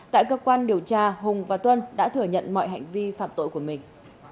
tại cơ quan điều tra hùng và tuân đã thừa nhận mọi hành vi phạm tội của mình